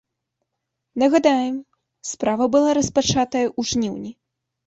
Нагадаем, справа была распачатая ў жніўні.